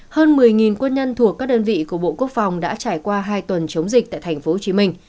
hơn một mươi quân nhân thuộc các đơn vị của bộ quốc phòng đã trải qua hai tuần chống dịch tại tp hcm